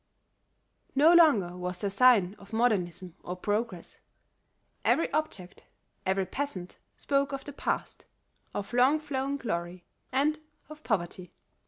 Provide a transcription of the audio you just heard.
No longer was there sign of modernism or progress; every object, every peasant spoke of the past, of long flown glory, and of poverty.